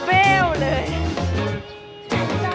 เดี๋ยวคุณแม่กลับมา